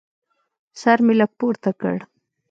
سر مې لږ پورته کړ.